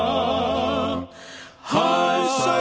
apa engkau telah bersedia